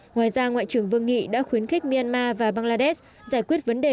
ngoài ra ngoại trưởng vương nghị đã khuyến khích myanmar và bangladesh giải quyết vấn đề